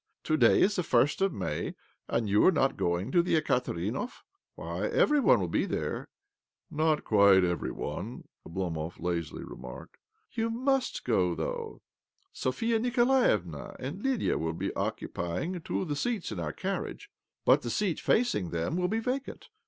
To day is the first of May, and you are not going to the Ekaterinhov? Why, every one will be there 1 "" Not quite every one," Oblomov lazily remarked. "You must go, though. Sophia Niko laevna and Lydia will be occupying two of the seats in our carriage, but the seat facing ' A fashionable park in Petrograd. OBLOMOV 25 them will be vacant.